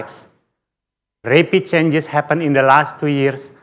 perubahan yang sering terjadi